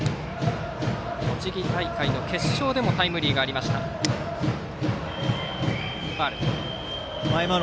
栃木大会の決勝でもタイムリーがありました、江田。